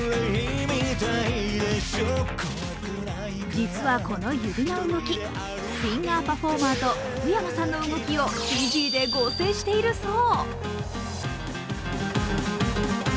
実はこの指の動き、フィンガーパフォーマーと福山さんの動きをＣＧで合成しているそう。